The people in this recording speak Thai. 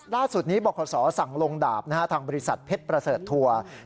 ล่าสุดนี้บังคัตสอสั่งลงดาบทางบริษัทเพชรประเศษฐัวร์